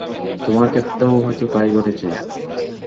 তোমার ক্ষেত্রেও হয়তো তাই ঘটেছে।